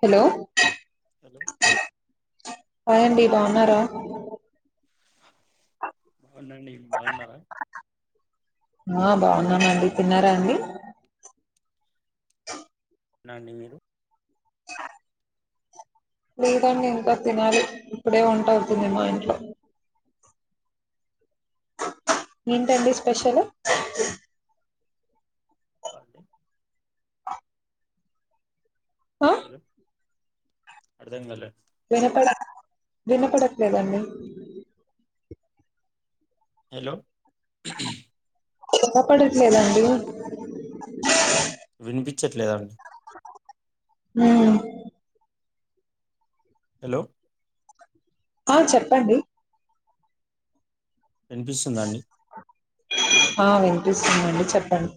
Hello hello hi అండి బాగున్నారా బాగున్నాండి బాగున్నారా ఆ బాగున్నామండి తిన్నారా అండి తిన్న అండి మీరు లేదు అండి ఇంకా తినాలి ఇప్పుడే వంటవుతుంది మా ఇంట్లో ఏంటండి స్పెషల్ అండి ఆ హలో అర్థం కాలే వినపడ వినపడట్లేదండి హలో కపడట్లేదండి వినిపించట్లేదా ఉహు హలో ఆ చెప్పండి వినిపిస్తుందా అండి ఆ వినిపిస్తుంది అండి చెప్పండి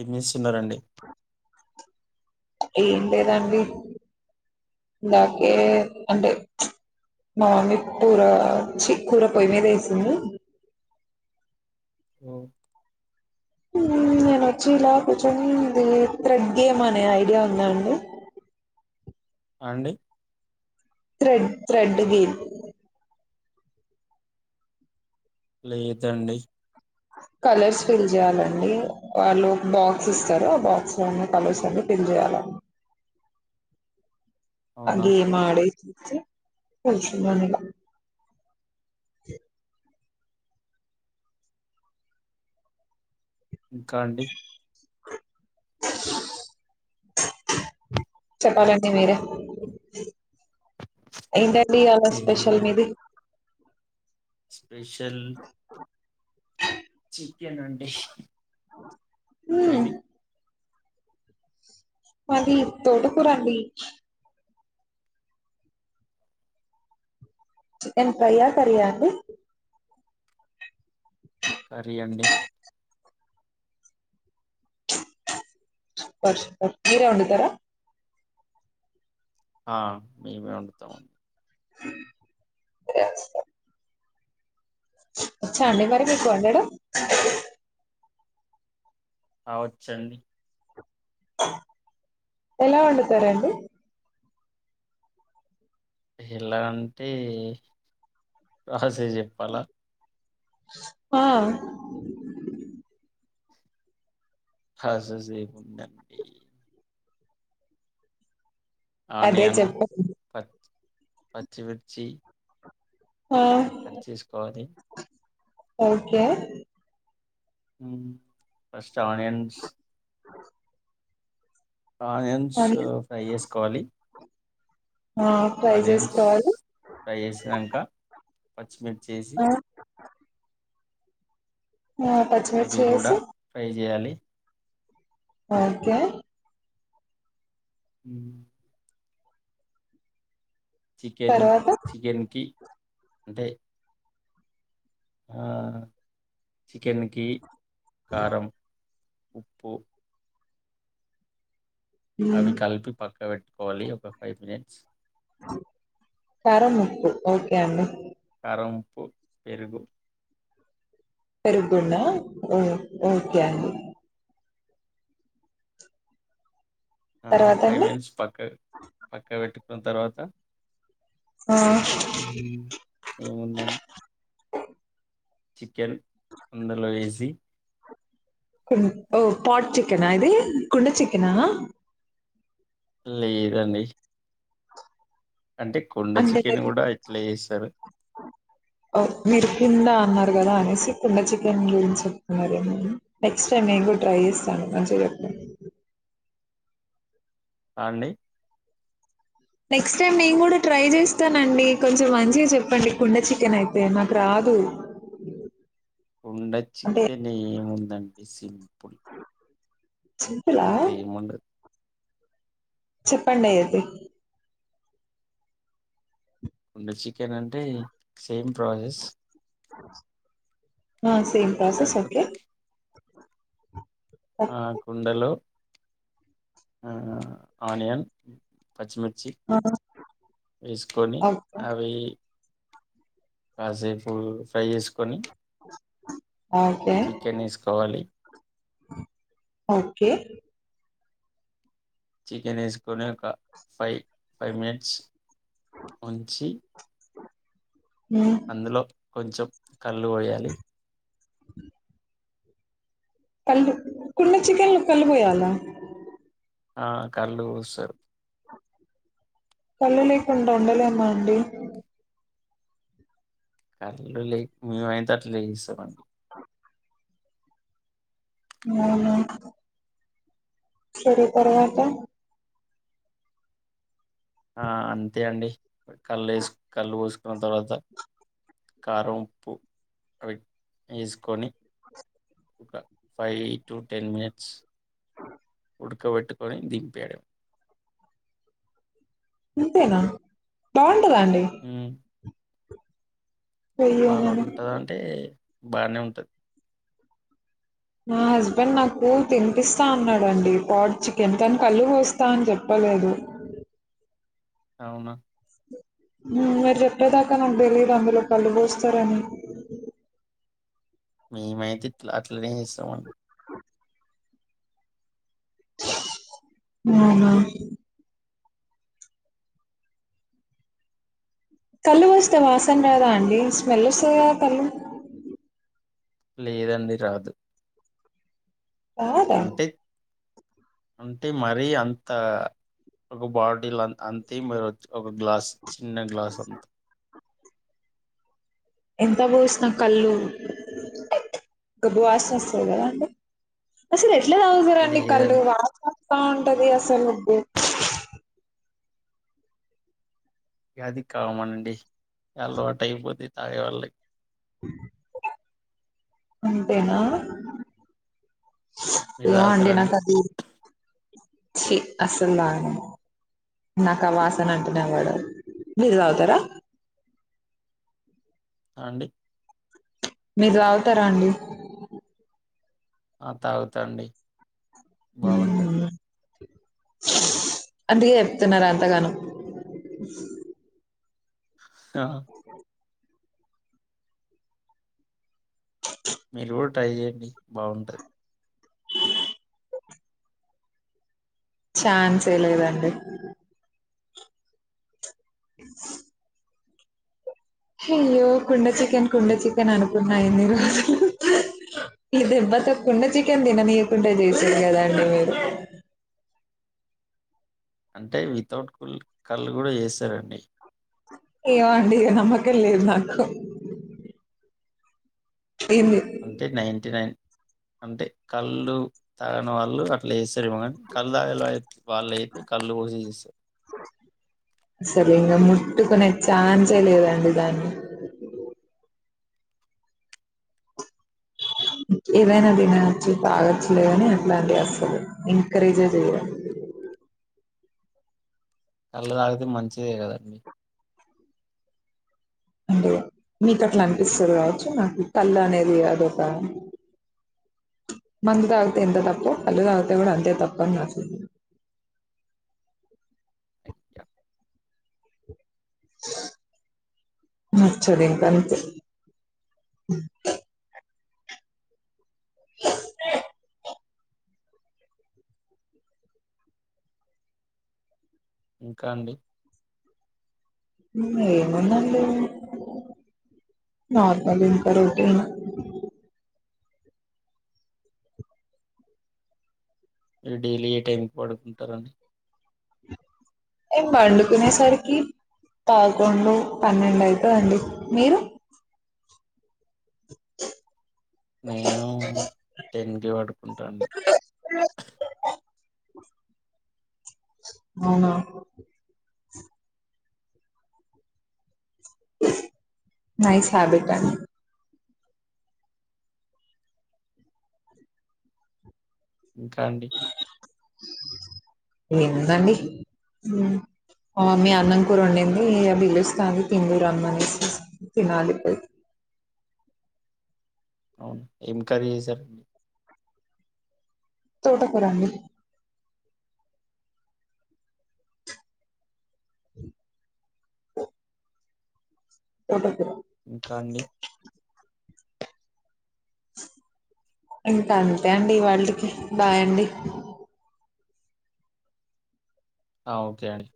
ఏం చేస్తున్నారండి ఏం లేదండి ఇందాకే అంటే మా మమ్మీ కూర చి కూర పొయ్యి మీద వేసింది ఓ, నేను వచ్చి ఇలా కూర్చొని ఇది థ్రెడ్ థెర్డ్ గేమ్ అనే ఐడియా ఉంద అండి అండి త్రెడ్ త్రెడ్ గేమ్ లేదండి కలర్స్ ఫిల్ చేయాలండి వాళ్ళు బాక్స్ ఇస్తారు ఆ బాక్స్ లో ఉన్న కలర్స్ అన్ని ఫిల్ చేయాల ఆ అవునా గేమ్ ఆడే అయితే కూర్చున్నాను ఇలా ఇంకా అండి చెప్పాలండి మీరే ఏంటండి ఇవ్వాలా స్పెషల్ ఏముందండి మీది స్పెషల్ చికెన్ అండి మీది హ్మ్ మాది తోటకూరండి చికెన్ ఫ్రైయ్యా, కరీయా అండి? కర్రీ అండి సుపర్ సు, మీరే వండుతరా? ఆ మేమే వండుతామండి. బ్యాచిలర్ ఒచ్చా అండి మరి మీకు వండడం? ఆ వచ్చండి ఎలా వండుతారండి? ఎలా అంటే ప్రాస్ తే జెప్పాలా ఆ ప్రాజెస్ ఏముందండి అదే చెప్పండి పచ్చి మిర్చి ఆ కట్ జేసుకోవాలి ఓకే ఫస్ట్ ఆనియన్స్ ఆనియన్స్ అని ఫ్రై జేస్కోవాలి ఆ ఫ్రై ఆనియన్స్ చేసుకోవాలి ఫ్రై చేసినంకా పచ్చిమిర్ చేసి ఆ హా పచ్చిమిర్చి అవి గూడా యేసి ఫ్రై చేయాలి. ఓకే హ్మ్ చికెన్ తర్వాత చికెన్ కి అంటే ఆ చికెన్కి కారం ఉప్పు మ్మ్ అవి కలిపి పక్కబేట్టుకోవాలి ఒక ఫైవ్ మినిట్స్, కారం ఉప్పు ఓకే అండి కారం ప్పు, పెరుగు పెరుగున్నా ఉమ్ ఓకే అండి తర్వాత ఫైవ్ అండి మినిట్స్ ట్స్ పక్క పక్క బెట్టు దాన్తర్వాత ఆ ఏముందండ్ చికెన్ అందలో ఏసి [unintelligible] ఓ పాట్ చికెనా ఇది కుండ చికెనా [unintelligible] ఇదండి అంటే చికెన్ మి కూడా ఇట్లా చేస్తారు మీరు కిందన్నర కదా అనేసి కుండ చికెన్ గురించి చెప్తున్నారుేమ నెక్స్ట్ టైమ్ ఎకుో ట్రై చేస్తాను మంచి చెప్ప అ అండి నెక్స్ట్ టైమ్ నేను కూడా ట్రై చేస్తానండి కొంచెం మంచిగా చెప్పండి కుండ చికెన్ అయితే నాకు రాదు కొండ అంటే చికెన్ ఏము ఉందండి సింపుల్ సింపులా అంతే ఏం ఉంద చెప్పండి అయితే కుండ చికెన్ అంటే సేమ్ ప్రాసెస్ ఆ సేమ్ ప్రోసెస్ ఓకే కాకపోతే ఆ కుండలొ ఆనియన్ పచ్చిమిర్ చి వేసుకొని ఓకే. అవి కాసేపు ఫ్రై చేసుకొని ఓకే. చికెన్ వేసుకోవాలి ఓకే చికెన్ వేసుకొని ఒక ఫైవ్ ఫైవ్ మినిట్స్ ఉంచి ఆ అందులో కొంచెం కళ్ళు పోయాలి కళ్ళు కుండ చికెన్ కళపోయాలా ఆ కళ్ళు పోస్తారు కళ్ళు లేకుండా వండలేమా అండి కళ్ళు లే మేము అయితే అట్లే చేస్తామండి [unintelligible] సరే తరువాత ఆ అంతే అండి కల్ ఎస్ కళ్ళు పోస్ దాన్ తర్వాత కారం ఉప్పు అవి వేసుకొని అ ఒక ఫైవ్ టు టెన్ మినిట్స్ ఉడకబెట్టుకొని దింపేయాడంమే ఇంతేనా [unintelligible] [unintelligible] అండి అయ్యో! నేను బాగుంటదంటే బాగానే ఉంటది మా హస్బెండ్ నాకు తినిపిస్తా అన్నాడండి పాడ్ చికెన్ తను కల్లు పోస్తా అని చెప్పలేదు అవునా మీరు చెప్పేదాకా నాకు తెలీదు అందులో కల్లు పోస్తారని మీమైతే ఇట్ల అట్లనే చేస్తామన్ అవునా కల్లు పోస్తే వాసన రాదా అండి స్మెల్ వస్తాది కదా కల్లు లేదండి రాదు రాదా అంటే అంటే మరీ అంత ఒక బాటిల్ అన్ అంతేం పోయరు ఒక గ్లాస్ చిన్న గ్లాస్ అంత్ ఎంత పోస్నా కల్లు గబ్బు వాసన వస్తది కదా అండి అసలు ఎ ఎట్ల తాగుతారండి కల్లు లేదండి వా [inaudible] స్తా ఉంటది అసలు బో వ్యా అది కామన్ అండి అలవాటైపోతే తాగేవాళ్ళ అంతేనా మీరు ఏండినాస తాగుతారండి ఛీ అస్సలు తాగను నాకు ఆ వాసన అంటేనే బడదు మీరు తగుతారా ఆ అండి మీరు తాగుతారా అండి ఆ తాగుతా అండి బావుంటది. [inaudible] అందుకే చెప్తున్నారా అంతగాను ఆ మీరు గుడ్ ట్రై చేయండి బావుంటా ఛాన్సే లేదండి హాయ్యో కుండ చె కన్ కుండ హ్మ్. చికన్ అను కున్నా ఇన్ని రోజులు ఈ దెబ్బతో కుండ చికెన్ తిననీయకుండా చేసిర్రు కదండి మీరు అంటే వితౌట్ కుల్ కల్లు కూడా చేసారండి ఏమో అండి ఇగ నమ్మకం లేదు నాకు ఏంది అంటే నైన్టీ నైన్ అంటే కల్లు తాగని వాళ్ళు అట్లా చేస్తారు ఏమో కానీ కల్లు తాగేళ్ళు ఐ వాళ్ళు అయితే కల్లు పోసి చేస్తా అసలు ఇంగ ముట్టుకునే ఛాన్సే లేదండి దాన్ని ఏదైనా తినచ్చు తాగచ్చు లేగాని అట్లాంటివి అసలు ఎంకరేజే చెయ్యా కల్లు తాగితే మంచిదే కదండి అంటే మీకు అట్లా అనిపిస్తాది కావచ్చు నాకు కల్లు అనేది అదొక మందు తాగితే ఎంత తప్పో కల్లు తాగితే కూడా అంతే తప్పు అని నాకు అయ్యా! నచ్చదింక అంతే ఇంకా అండి ఏముందండి నార్మల్ ఇకా రొటీన్ మీరు డైలీ ఏ టైంకి పడుకుంటారండి ఏం పండుకునేసరికి పదకొండు పన్నెండు అయితాది అండి మీరు నేను టెన్ కి పడుకుంటాండి అవునా నైస్ హ్యాబిట్ అండి ఇంకా అండి ఏముందండి మా మమ్మీ అన్నం కూర వండింది ఇక పీలోస్తాంది తీన్ దూ రమ్మనేసి తినాలి పోయి అవును ఏం కరీ చేసారండి తోటకుర అండి తోట కూర ఇంకా అండి? ఇంకా అంతే అండి ఈ వాళ్ళింటి కి బై అండి ఆ ఒకే అండి